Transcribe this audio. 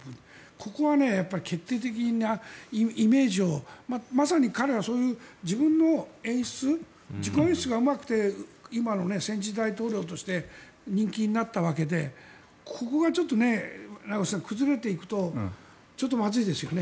ここは決定的なイメージをまさに彼はそういう自分の演出自己演出がうまくて今の戦時大統領として人気になったわけでここがちょっと名越さん、崩れていくとちょっとまずいですよね。